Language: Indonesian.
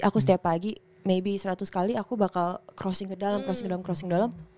aku setiap pagi maybe seratus kali aku bakal crossing ke dalam crossing ke dalam crossing ke dalam